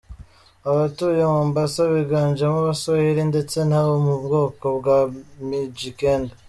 Abatuye Mombasa biganjemo Abaswahili ndetse n’abo mu bwoko bwa Mijikenda.